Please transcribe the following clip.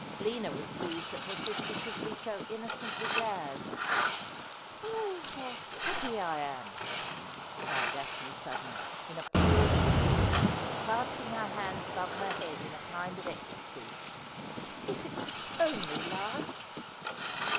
Lina was pleased that her sister should be so innocently glad. '0, how happy I am,' cried Daphne suddenly, in a pause of the talk, clasping her hands above her head in a kind of ecstasy. ' If it could only last